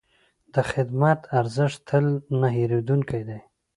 د خدمت ارزښت تل نه هېرېدونکی دی.